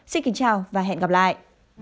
xin kính chào và hẹn gặp lại